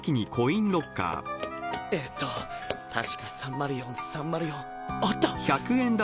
えと確か３０４３０４あった！